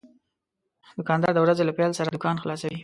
دوکاندار د ورځې له پېل سره دوکان خلاصوي.